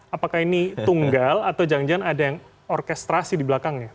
apakah ini tunggal atau jangan jangan ada yang orkestrasi di belakangnya